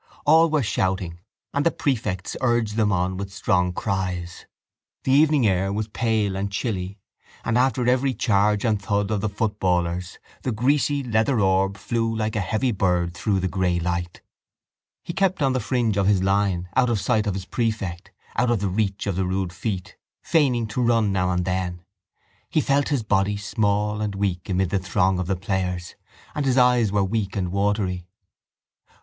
All were shouting and the prefects urged them on with strong cries. The evening air was pale and chilly and after every charge and thud of the footballers the greasy leather orb flew like a heavy bird through the grey light. He kept on the fringe of his line, out of sight of his prefect, out of the reach of the rude feet, feigning to run now and then. He felt his body small and weak amid the throng of the players and his eyes were weak and watery.